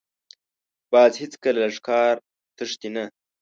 باز هېڅکله له ښکار تښتي نه